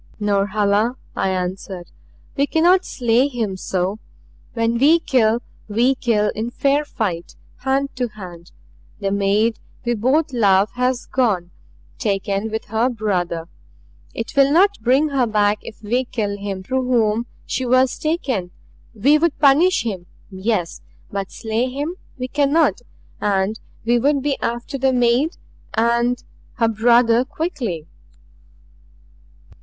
"Norhala," I answered, "we cannot slay him so. When we kill, we kill in fair fight hand to hand. The maid we both love has gone, taken with her brother. It will not bring her back if we kill him through whom she was taken. We would punish him yes, but slay him we cannot. And we would be after the maid and her brother quickly."